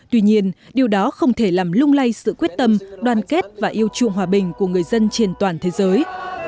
tuy nhiên điều đó không thể làm lung lay sự quyết tâm đoàn kết và yêu chuộng hòa bình của người dân trên toàn thế giới